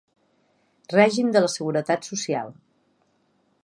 Règim de la seguretat social.